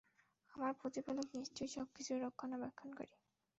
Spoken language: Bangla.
আমার প্রতিপালক নিশ্চয়ই সব কিছুর রক্ষণাবেক্ষণকারী।